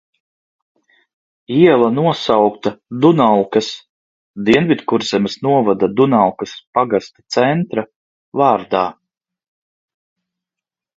Iela nosaukta Dunalkas – Dienvidkurzemes novada Dunalkas pagasta centra – vārdā.